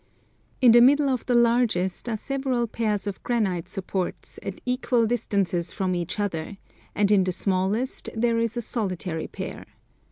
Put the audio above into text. In the middle of the largest are several pairs of granite supports at equal distances from each other, and in the smallest there is a solitary pair.